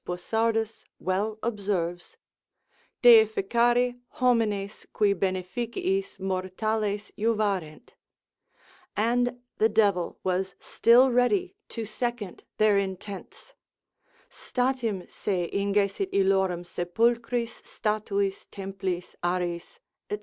Boissardus well observes, deificare homines qui beneficiis mortales juvarent, and the devil was still ready to second their intents, statim se ingessit illorum sepulchris, statuis, templis, aris, &c.